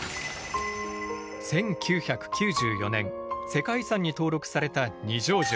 １９９４年世界遺産に登録された二条城。